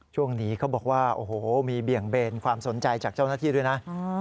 ช่วงนี้เขาบอกว่าโอ้โหมีเบี่ยงเบนความสนใจจากเจ้าหน้าที่ด้วยนะ